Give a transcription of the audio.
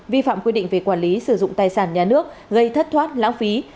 vi phạm quy định về quản lý sử dụng tài sản nhà nước gây thất thoát lãng phí